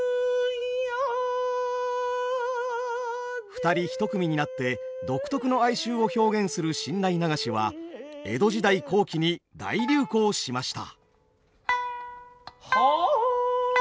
二人一組になって独特の哀愁を表現する新内流しは江戸時代後期に大流行しました。